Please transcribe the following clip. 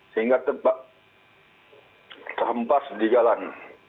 sehingga terhempas di jalan